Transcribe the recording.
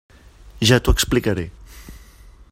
Ja t'ho explicaré.